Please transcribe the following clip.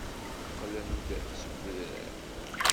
Qqlen-d seg udrar.